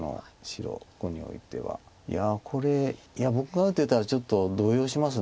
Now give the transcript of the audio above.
いやこれ僕が打ってたらちょっと動揺します。